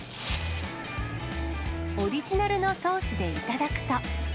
オリジナルのソースで頂くと。